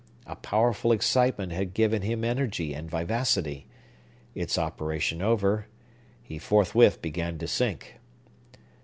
A powerful excitement had given him energy and vivacity. Its operation over, he forthwith began to sink.